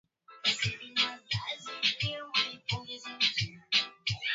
kiwango cha kijamii Mfumo huu huwa unafaulu zaidi unapotekelezwa kama mradi wa kukabiliana